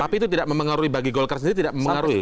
tapi itu tidak mempengaruhi bagi golkar sendiri